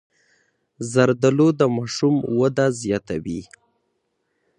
زردالو د ماشوم وده زیاتوي.